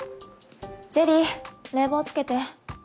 ジェリー冷房つけて。